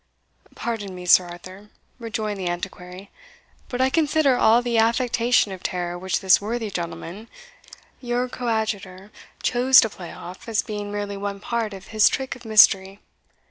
"Pardon me, Sir Arthur," rejoined the Antiquary; "but I consider all the affectation of terror which this worthy gentleman, your coadjutor, chose to play off, as being merely one part of his trick or mystery.